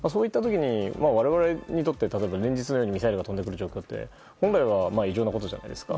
我々にとって、連日のようにミサイルが飛んでくる状況は本来は異常なことじゃないですか。